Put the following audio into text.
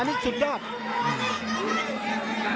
อันนี้สุดดีกว่า